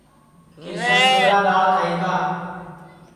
کرشن سیورا دؔاݪ کھائی گا